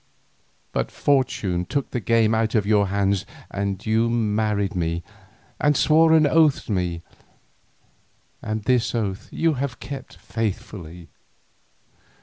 But fortune took the game out of your hands and you married me, and swore an oath to me, and this oath you have kept faithfully.